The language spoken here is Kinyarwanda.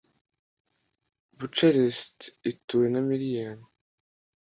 Bucharest ituwe na miliyoni ..